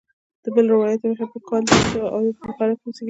د بل روایت له مخې په کال درې سوه اویا په بخارا کې وزیږېد.